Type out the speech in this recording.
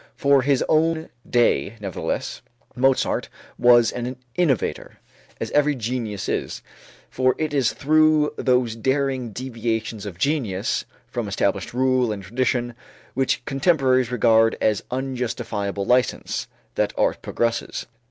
For his own day, nevertheless, Mozart was an innovator, as every genius is; for it is through those daring deviations of genius from established rule and tradition, which contemporaries regard as unjustifiable license, that art progresses.